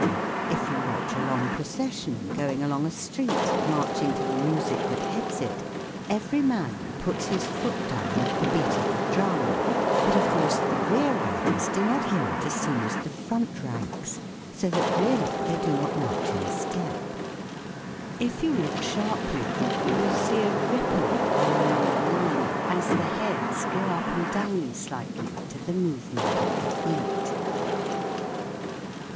If you watch a long pro cession going along a street, marching to the music that heads it, every man puts his foot down at the beat of the drum, but of course the rear ranks do not hear it as soon as the front ranks, so that really they do not march in step. If you look sharply you will see a ripple run along the line as the heads go up and down slightly to the movement of the feet.